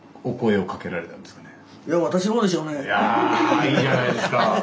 でいやいいじゃないですか！